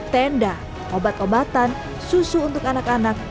tenda obat obatan susu untuk anak anak